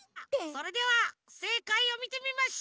それではせいかいをみてみましょう。